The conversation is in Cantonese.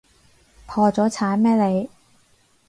破咗產咩你？